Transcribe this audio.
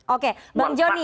oke bang joni